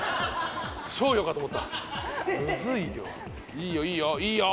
いいよいいよいいよ！